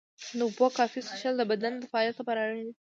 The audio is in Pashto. د اوبو کافي څښل د بدن د فعالیت لپاره اړین دي.